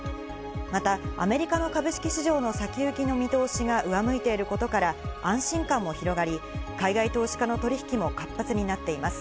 またアメリカの株式市場の先行きの見通しが上向いていることから、安心感も広がり、海外投資家の取引も活発になっています。